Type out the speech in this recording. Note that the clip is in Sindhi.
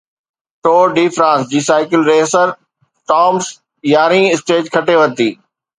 ٽور ڊي فرانس جي سائيڪل ريسر ٿامس يارهين اسٽيج کٽي ورتي